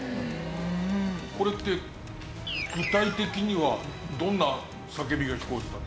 これって具体的にはどんな叫びが聞こえてたんですか？